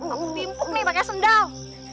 aku timpuk nih pake sendal